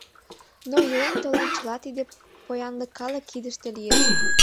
Но илен-толын, чыла тиде поянлык калык кидыште лиеш.